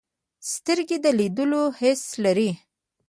سترګې د لیدلو حس لري